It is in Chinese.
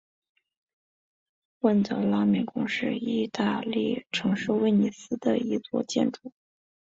温德拉敏宫是义大利城市威尼斯的一座建筑。